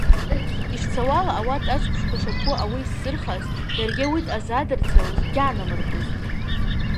Йшцауала, ауат асквшква шабгу ауи йсзырхаз, йаргьи ауи дъазадырцалыз дгьагӏнамырбузтӏ.